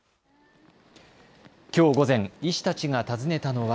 きょう午前、医師たちが訪ねたのは。